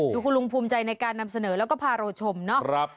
ลุงคุณลุงภูมิใจในการนำเสนอแล้วก็พาเราชมเนาะ